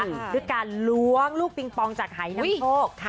ด้วยการล้วงลูกปิงปองจากหายนำโชค